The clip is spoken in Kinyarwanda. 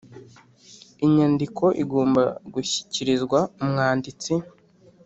Inyandiko igomba gushyikirizwa umwanditsi